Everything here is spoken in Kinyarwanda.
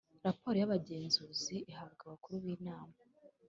Raporo y abagenzuzi ihabwa abakuru b inama